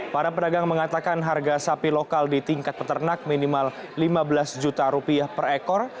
para pedagang mengatakan harga sapi lokal di tingkat peternak minimal lima belas juta rupiah per ekor